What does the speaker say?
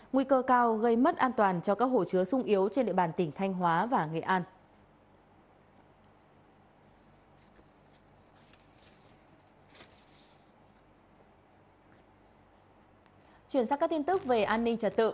nguy cơ cao gây mất an toàn cho các hồ chứa sung yếu trên địa bàn tỉnh thanh hóa và nghệ an